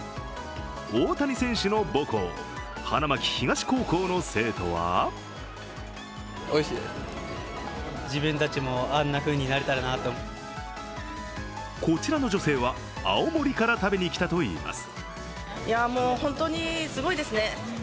大谷選手の母校、花巻東高校の生徒はこちらの女性は青森から食べに来たといいます。